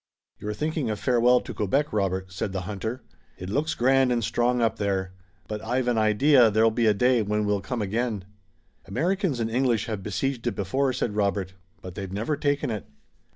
"You're thinking a farewell to Quebec, Robert," said the hunter. "It looks grand and strong up there, but I've an idea there'll be a day when we'll come again." "Americans and English have besieged it before," said Robert, "but they've never taken it."